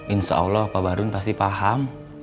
insya allah pak bahrun pasti paham